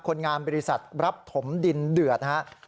คนงานบริษัทรับถมดินเดือดนะครับ